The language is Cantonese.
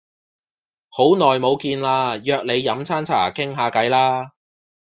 好耐冇見喇約你飲餐茶傾下計啦